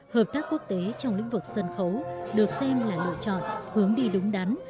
hợp tác quốc tế trong lĩnh vực sân khấu được xem là lựa chọn hướng đi đúng đắn